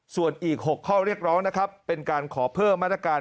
ส่วนอีก๖ข้อเรียกร้องนะครับเป็นการขอเพิ่มมาตรการ